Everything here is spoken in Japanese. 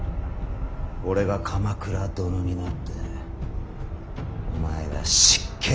俺が鎌倉殿になってお前が執権になるか。